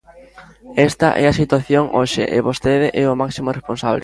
Esta é a situación hoxe e vostede é o máximo responsable.